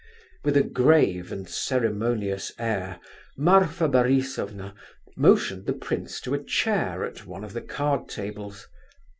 With a grave and ceremonious air, Marfa Borisovna motioned the prince to a chair at one of the card tables.